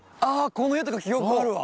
この家とか記憶あるわ。